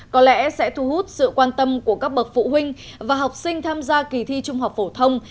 có lẽ sẽ thu hút sự quan tâm của các bậc phụ huynh và học sinh tham gia kỳ thi trung học phổ thông